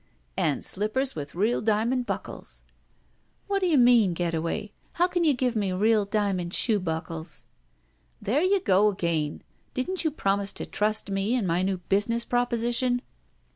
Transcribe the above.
"And slippers with real diamond buckles." "What do you mean, Getaway? How can you give me real diamond shoe buckles —" "There you go again. Didn't you promise to trust me and my new business proposition?"